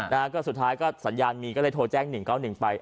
นะฮะก็สุดท้ายก็สัญญาณมีก็เลยโทรแจ้ง๑๙๑ไป